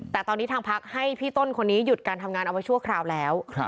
แต่ตอนนี้ทางพักให้พี่ต้นคนนี้หยุดการทำงานเอาไว้ชั่วคราวแล้ว